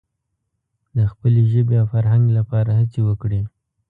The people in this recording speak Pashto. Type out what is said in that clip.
د خپلې ژبې او فرهنګ لپاره هڅې وکړي.